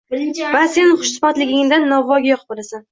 Va sen Xush suhbatligingdan Novvoyga yoqib qolasan